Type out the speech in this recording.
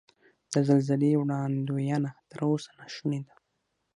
د زلزلې وړاندوینه تر اوسه نا شونې ده.